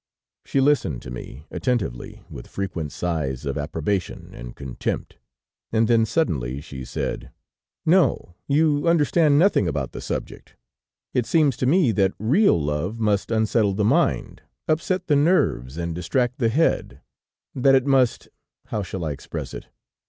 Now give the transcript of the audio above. She listened to me attentively with frequent sighs of approbation and contempt, and then suddenly she said: "'No, you understand nothing about the subject. It seems to me, that real love must unsettle the mind, upset the nerves and distract the head; that it must how shall I express it?